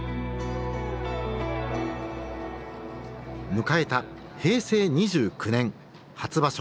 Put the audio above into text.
迎えた平成２９年初場所。